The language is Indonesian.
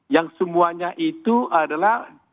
yang semuanya itu adalah